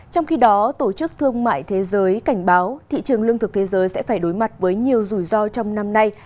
trong khi đó tổ chức thương mại thế giới cảnh báo thị trường lương thực thế giới sẽ phải đối mặt với nhiều rủi ro trong năm nay